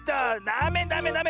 ダメダメダメ！